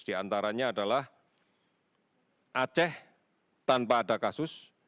diantaranya adalah aceh tanpa ada kasus